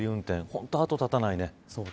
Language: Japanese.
本当に後を絶たないね。